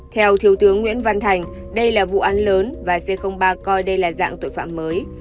theo thiếu tướng nguyễn văn thành đây là vụ án lớn và c ba coi đây là dạng tội phạm mới